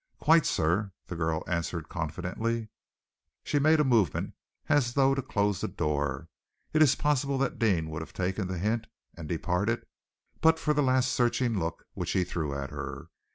"Quite, sir," the girl answered confidently. She made a movement as though to close the door. It is possible that Deane would have taken the hint and departed, but for that last searching look which he threw at her.